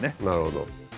なるほど。